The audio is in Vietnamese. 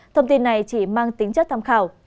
thông tin này chỉ mang tính chất tham khảo